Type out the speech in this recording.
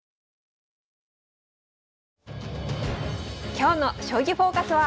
今日の「将棋フォーカス」は。